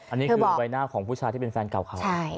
อันนี้คือใบหน้าของผู้ชายที่เป็นแฟนเก่าเขา